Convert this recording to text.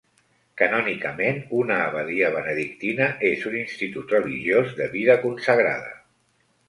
Canònicament, una abadia benedictina és un institut religiós de vida consagrada.